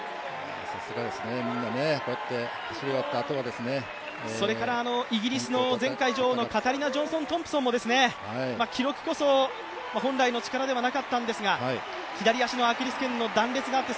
さすがですね、みんな走り合ったあとはイギリスの前回女王のカタリナ・ジョンソン・トンプソンも記録こそ本来の力ではなかったんですが、左足のアキレスけんの断裂があって。